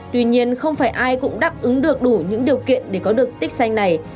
tuy nhiên không phải ai cũng đáp ứng được đủ những điều kiện để có được tích xanh này